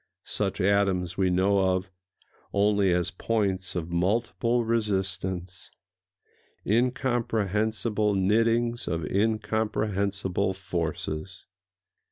Such atoms we know of only as points of multiple resistance,—incomprehensible knittings of incomprehensible forces.